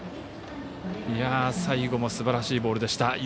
最後もすばらしいボールでした。